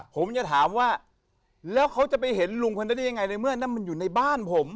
ผมจะถามว่าแล้วเขาจะไปเห็นลุงคนนั้นได้ยังไงในเมื่อนั้นมันอยู่ในบ้านผม